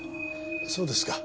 そうですか。